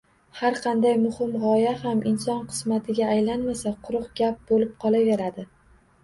Har qanday muhim g’oya ham inson qismatiga aylanmasa, quruq gap bo’lib qolaveradi.